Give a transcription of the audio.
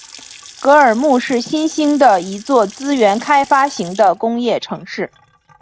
格尔木是新兴的一座资源开发型的工业城市。